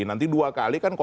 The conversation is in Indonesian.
nanti dua kali kan